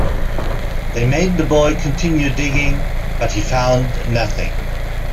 They made the boy continue digging, but he found nothing.